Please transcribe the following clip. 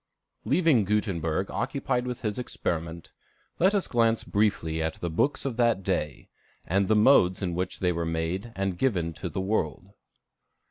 Leaving Gutenberg occupied with his experiment, let us glance briefly at the books of that day, and the modes in which they were made and given to the world.